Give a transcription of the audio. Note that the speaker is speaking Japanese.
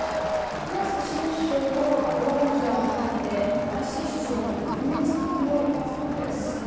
トラス新首相をバルモラル城に迎えて新しい首相に任命した時の様子なんです。